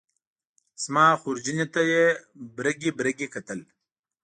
زما خورجینې ته یې برګې برګې وکتل.